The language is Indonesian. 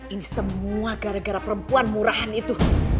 ini semua gara gara perempuan murahan itu